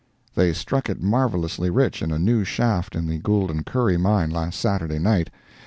—They struck it marvelously rich in a new shaft in the Gould & Curry mine last Saturday night.